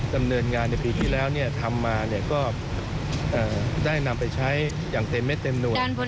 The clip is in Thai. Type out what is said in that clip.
ดำเนินงานในปีที่แล้วทำมาก็ได้นำไปใช้อย่างเต็มเม็ดเต็มหน่วย